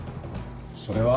それは。